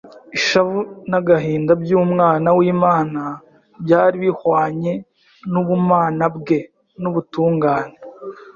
ishavu n’agahinda by’Umwana w’Imana byari bihwanye n’ubumana bwe n’ubutungane,